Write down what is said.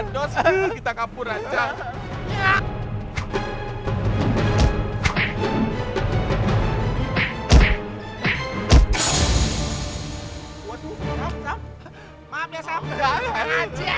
jangan bergantos kita kapur aja